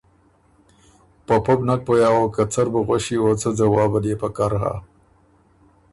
په پۀ بو نک پویٛ اغوک که څۀ ر بُو غؤݭی او څۀ ځواب ال يې پکر هۀ۔